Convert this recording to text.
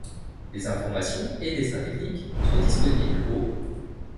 Les informations et dessins techniques sont disponibles au '.